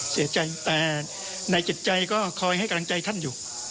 เสียใจแต่ในจิตใจก็คอยให้กำลังใจท่านอยู่